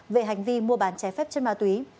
về hành vi mua bán trái phép chất ma túy